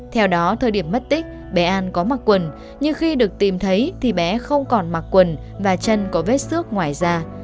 theo đó thời điểm mất tích bé an có mặc quần nhưng khi được tìm thấy thì bé không còn mặc quần và chân có vết xước ngoài da